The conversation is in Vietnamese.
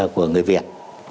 của người việt